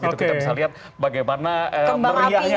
kita bisa lihat bagaimana meriahnya